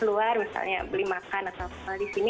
kalau di luar misalnya beli makan atau sesuatu di sini